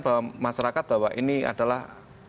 ke masyarakat bahwa ini adalah